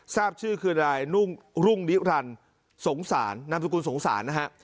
ทราบชื่อคือนายรุ่งนิรันดิ์สงสารนามสกุลสงสารนะฮะ